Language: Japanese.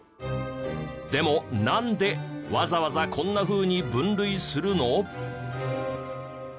でもなんでわざわざこんなふうに分類するの？